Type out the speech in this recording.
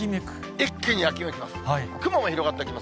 一気に秋めきます。